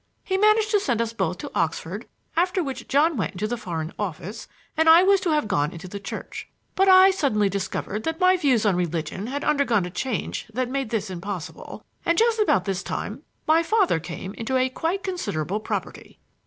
He managed to send us both to Oxford, after which John went into the Foreign Office and I was to have gone into the Church. But I suddenly discovered that my views on religion had undergone a change that made this impossible, and just about this time my father came into a quite considerable property.